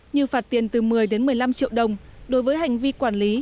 như phạt tiền từ một mươi một mươi năm triệu đồng đối với hành vi quản lý